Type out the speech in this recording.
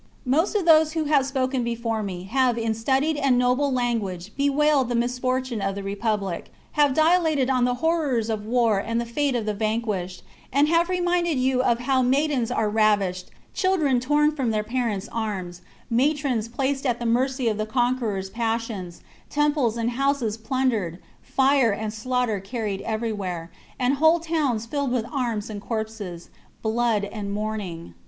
Most of those chap. who have spoken before me have in studied and noble language bewailed the misfortune of the republic, have dilated on the horrors of war and the fate of the vanquished, and have reminded you of how maids are ravished, children torn from their parents'"arms, matrons placed at the mercy of the conquerors' pas sions, temples and houses plundered, fire and slaughter carried everywhere, and whole towns filled with arms and corpses, blood and mourning.